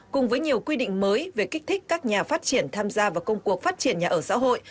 cùng với nhiều quy định mới về kích thích các nhà phát triển tham gia vào công cuộc phát triển nhà ở xã hội